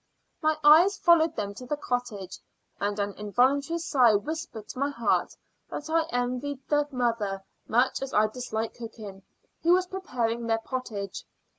My eyes followed them to the cottage, and an involuntary sigh whispered to my heart that I envied the mother, much as I dislike cooking, who was preparing their pottage.